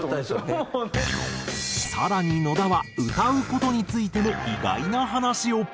更に野田は歌う事についても意外な話を。